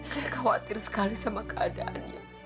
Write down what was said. saya khawatir sekali sama keadaannya